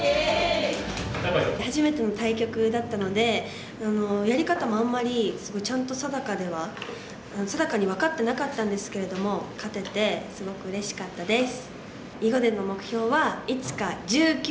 初めての対局だったのでやり方もあんまりすごいちゃんと定かでは定かに分かってなかったんですけれども勝ててすごくうれしかったです！